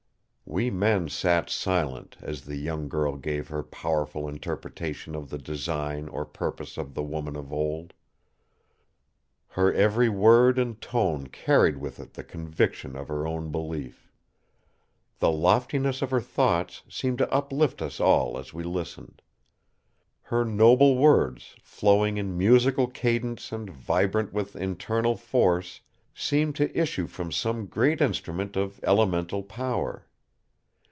We men sat silent, as the young girl gave her powerful interpretation of the design or purpose of the woman of old. Her every word and tone carried with it the conviction of her own belief. The loftiness of her thoughts seemed to uplift us all as we listened. Her noble words, flowing in musical cadence and vibrant with internal force, seemed to issue from some great instrument of elemental power.